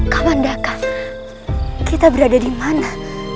kaman daka kita berada di mana